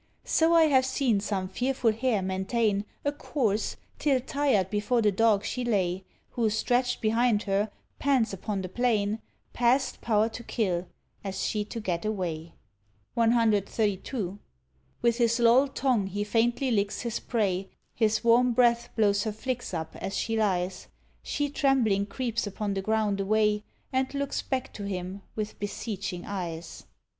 So I have seen some fearful hare maintain A course, till tired before the dog she lay, Who stretched behind her, pants upon the plain, Past power to kill, as she to get away. 132. With his loll'd tongue he faintly licks his prey; His warm breath blows her flix up as she lies: She trembling creeps upon the ground away And looks back to him with beseeching eyes.